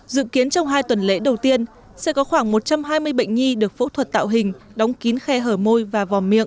dự kiến trong hai tuần lễ đầu tiên sẽ có khoảng một trăm hai mươi bệnh nhi được phẫu thuật tạo ra